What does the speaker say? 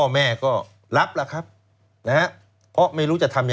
เมื่อหัวใจ